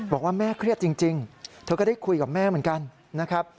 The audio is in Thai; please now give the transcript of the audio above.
บอกว่าแม่เครียดจริงเธอก็ได้คุยกับแม่เหมือนกันนะครับ